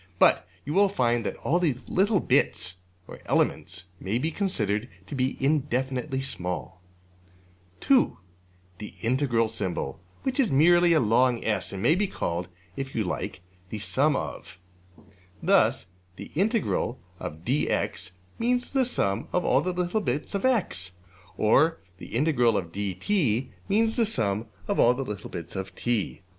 But you will find that these little bits (or elements) may be considered to be indefinitely small. (2) $\ds\int$ which is merely a long $S$, and may be called (if you like) ``the sum of.'' Thus $\ds\int dx$ means the sum of all the little bits of~$x$; or $\ds\int dt$ means the sum of all the little bits of~$t$.